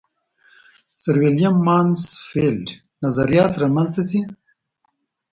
سرویلیم مانسفیلډ نظریات را منځته شي.